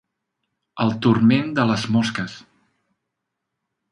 El turment de les mosques.